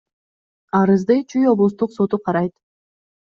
Арызды Чүй облустук соту карайт.